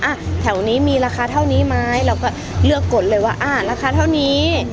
อ่ะแถวนี้มีราคาเท่านี้ไหมเราก็เลือกกดเลยว่าอ่าราคาเท่านี้